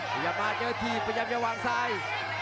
พยายามมาเจอถีบพยายามจะวางซ้าย